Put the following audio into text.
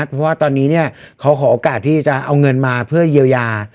เพราะว่าตอนนี้เนี่ยเขาขอโอกาสที่จะเอาเงินมาเพื่อเยียวยา